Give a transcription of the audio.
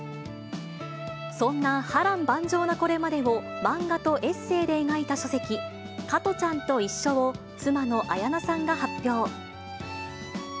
そんな波乱万丈なこれまでを、漫画とエッセーで描いた書籍、加トちゃんといっしょを、妻の綾菜さんが発表。